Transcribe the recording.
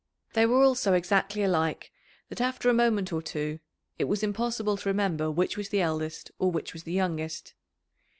They were all so exactly alike that after a moment or two it was impossible to remember which was the eldest or which was the youngest.